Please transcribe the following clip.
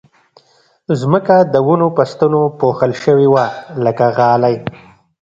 ځمکه د ونو په ستنو پوښل شوې وه لکه غالۍ